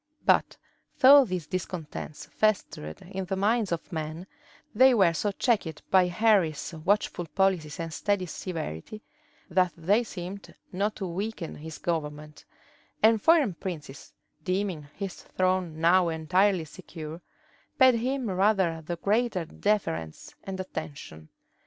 But though these discontents festered in the minds of men, they were so checked by Henry's watchful policy and steady severity, that they seemed not to weaken his government; and foreign princes, deeming his throne now entirely secure, paid him rather the greater deference and attention.